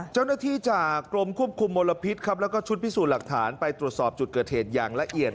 เจ้าหน้าที่จากกรมควบคุมมลพิษครับแล้วก็ชุดพิสูจน์หลักฐานไปตรวจสอบจุดเกิดเหตุอย่างละเอียด